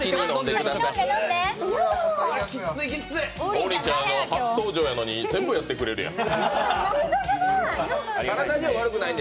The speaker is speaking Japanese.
王林ちゃん、初登場やのに全部やってくれるやん。